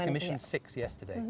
kapan akan ini berjalan